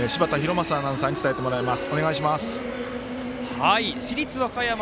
正アナウンサーに伝えてもらいます。